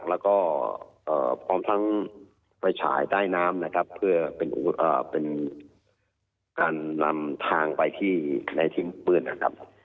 แล้วก็พร้อมทั้งไฟฉายใต้น้ำนะครับเพื่อเป็นการนำทางไปที่ในทิ้งปืนนะครับ